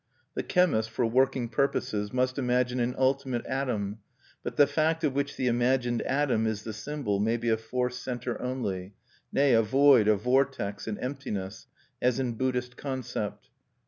The chemist, for working purposes, must imagine an ultimate atom; but the fact of which the imagined atom is the symbol may be a force centre only, nay, a void, a vortex, an emptiness, as in Buddhist concept.